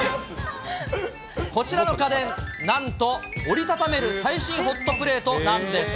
こちらの家電、なんと折り畳める最新ホットプレートなんです。